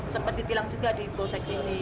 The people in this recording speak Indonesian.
sempat ditilang juga di bosex ini